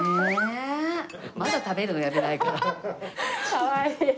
かわいい。